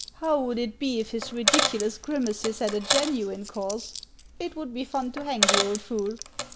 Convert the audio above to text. How would it be if his ridiculous grimaces had a genuine cause ? It would be fuu to hang the old fool.